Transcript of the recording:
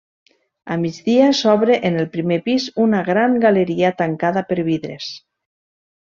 A migdia s'obre en el primer pis una gran galeria tancada per vidres.